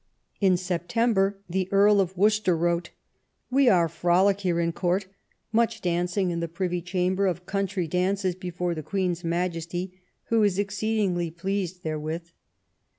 In September the Earl of Worcester wrote :We are frolic here in Court ; much dancing in the Privy Chamber of country dances before the Queen's Majesty, who is exceedingly pleased therewith.